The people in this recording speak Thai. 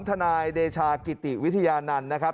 ทนายเดชากิติวิทยานันต์นะครับ